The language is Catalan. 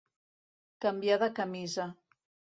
Canviar de camisa.